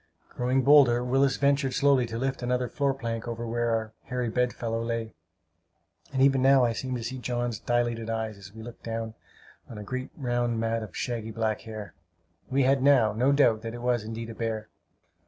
Growing bolder, Willis ventured slowly to lift another floor plank over where our hairy bed fellow lay; and even now I seem to see John's dilated eyes, as we looked down on a great round mat of shaggy black hair! We had now no doubt that it was, indeed, a bear.